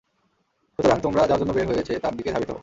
সুতরাং তোমরা যার জন্য বের হয়েছে তার দিকেই ধাবিত হও।